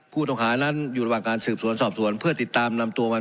ผู้ต้องหานั้นอยู่ระหว่างการสืบสวนสอบสวนเพื่อติดตามนำตัวมา